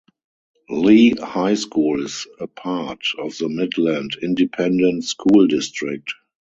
Lee High School is a part of the Midland Independent School District.